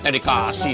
pak rt dikasih